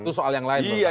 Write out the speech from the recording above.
itu soal yang lain